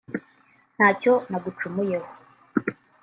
nta cyo nagucumuyeho